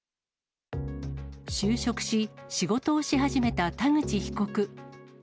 就職し、仕事をし始めた田口被告。